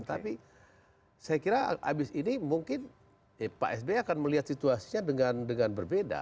tapi saya kira abis ini mungkin pak sby akan melihat situasinya dengan berbeda